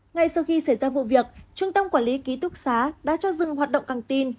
ngay sau khi xảy ra vụ việc trung tâm quản lý ký túc xá đã cho dừng hoạt động căng tin